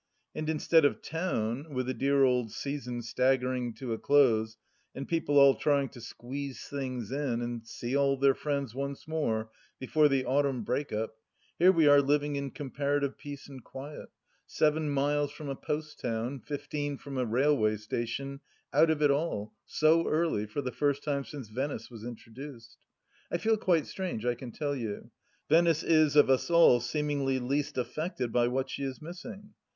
And instead of Town, with the dear old season staggering to a close, and people all trying to squeeze things in, and see all their friends once more before the autumn break up, here we are living in comparative peace and quiet, seven miles from a post town, fifteen from a railway station, out of it all, so early, for the first time since Venice was introduced. I feel quite strange, I can tell you. Venice is, of us all, seemingly least affected by what she is missing.